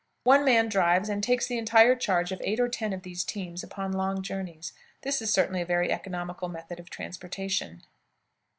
One man drives and takes the entire charge of eight or ten of these teams upon long journeys. This is certainly a very economical method of transportation.